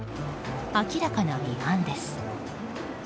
明らかな違反です。